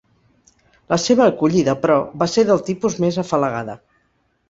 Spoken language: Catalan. La seva acollida, però, va ser del tipus més afalagada.